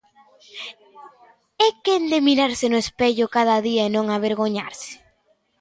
É quen de mirarse no espello cada día e non avergoñarse?